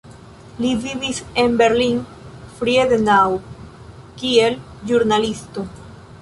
Li vivis en Berlin-Friedenau kiel ĵurnalisto.